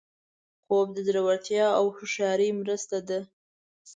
خوب د زړورتیا او هوښیارۍ مرسته ده